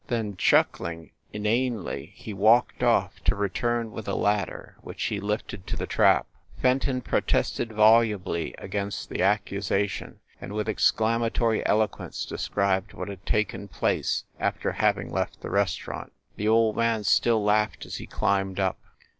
Then chuckling inanely, he walked off, to return with a ladder which he lifted to the trap. Fenton protested volubly against the accusation and with exclamatory eloquence described what had taken place after having left the restaurant. The old man still laughed as he climbed up.